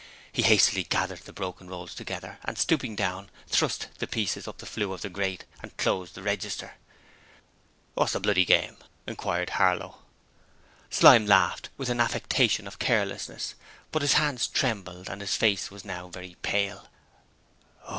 He hastily gathered the broken rolls together and, stooping down, thrust the pieces up the flue of the grate and closed the register. 'Wot's the bloody game?' inquired Harlow. Slyme laughed with an affectation of carelessness, but his hands trembled and his face was now very pale.